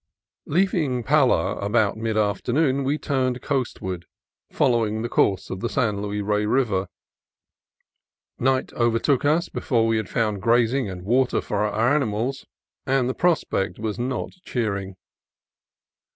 Leaving Pala about mid afternoon we turned coastward, following the course of the San Luis Rey River. Night overtook us before we had found grazing and water for our animals, and the prospect 36 CALIFORNIA COAST TRAILS was not cheering.